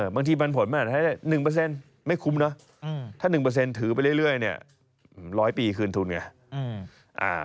บางทีปันผลมันก็ได้๑ไม่คุ้มเนอะถ้า๑ถือไปเรื่อย๑๐๐ปีคืนทุนง่ะ